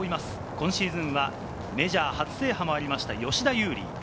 今シーズンはメジャー初制覇もありました、吉田優利。